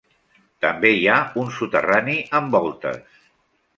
També hi ha un soterrani amb voltes.